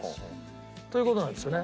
という事なんですよね。